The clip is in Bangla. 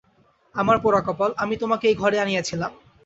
আমার পোড়াকপাল, আমি তোমাকে এই ঘরে আনিয়াছিলাম!